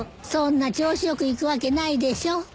そんな調子よくいくわけないでしょ。